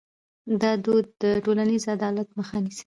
دا دود د ټولنیز عدالت مخه نیسي.